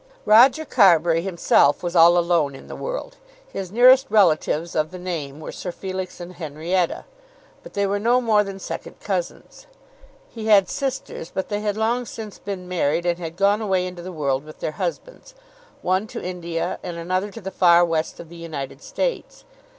Roger Carbury himself was all alone in the world. His nearest relatives of the name were Sir Felix and Henrietta, but they were no more than second cousins. He had sisters, but they had long since been married and had gone away into the world with their husbands, one to India, and another to the far west of the United States.